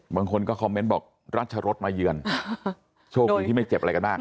บางคนก็คอมเมนต์บอกรัชรสมาเยือนโชคดีที่ไม่เจ็บอะไรกันมาก